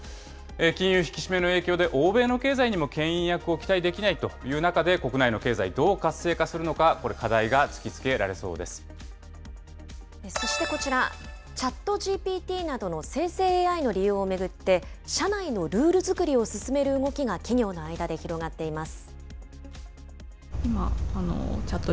金融引き締めの影響で、欧米の経済にもけん引役を期待できないという中で、国内の経済、どう活性化していくか、これ、そしてこちら、ＣｈａｔＧＰＴなどの生成ＡＩの利用を巡って、社内のルール作りを進める動きが企業の間で広がっています。